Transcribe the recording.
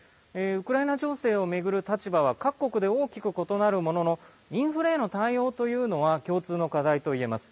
ウクライナ情勢を巡る立場は各国で大きく異なるもののインフレへの対応というのは共通の課題といえます。